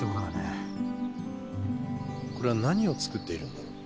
これは何を作っているんだろう？